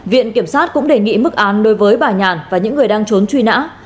viện kiểm sát cũng đề nghị mức án đối với bà nhàn và những người đang trốn truy nã